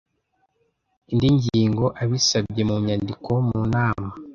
indi ngingo abisabye mu nyandiko mu nama